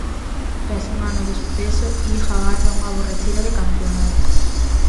Tras un ano do suceso, Ig agarra unha borracheira de campionato.